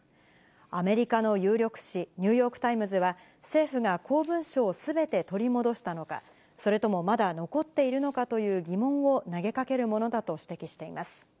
アメリカの有力紙、ニューヨークタイムズは、政府が公文書をすべて取り戻したのか、それともまだ残っているのかという疑問を投げかけるものだと指摘しています。